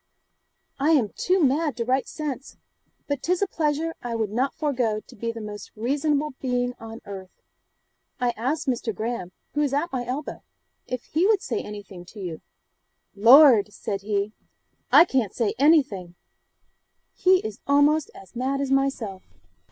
'I am too mad to write sense, but 'tis a pleasure I would not forgo to be the most reasonable being on earth. I asked Mr. Graham, who is at my elbow, if he would say anything to you, "Lord!" said he, "I can't say anything"; he is almost as mad as myself.'